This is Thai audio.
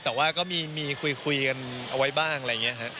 แต่ว่าก็มีคุยกันเอาไว้บ้างอะไรอย่างนี้ครับ